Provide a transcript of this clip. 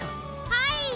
はい。